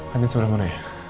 kantin sebelah mana ya